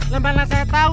lah mana saya tahu